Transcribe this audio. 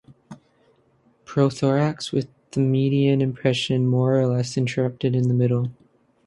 Prothorax with the median impression more or less interrupted in the middle.